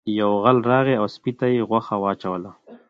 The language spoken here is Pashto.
یو غل راغی او سپي ته یې غوښه واچوله.